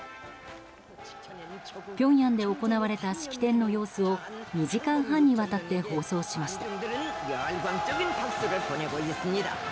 ピョンヤンで行われた式典の様子を２時間半にわたって放送しました。